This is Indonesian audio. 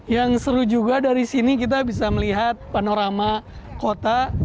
yang seru juga dari sini kita bisa melihat panorama kota